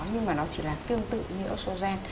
nhưng mà nó chỉ là tương tự như estrogen